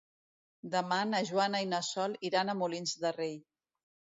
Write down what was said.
Demà na Joana i na Sol iran a Molins de Rei.